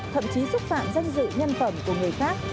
thậm chí xúc phạm danh dự nhân phẩm của người khác